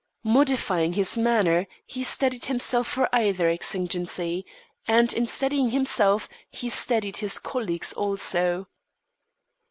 Modifying his manner, he steadied himself for either exigency, and, in steadying himself, steadied his colleagues also.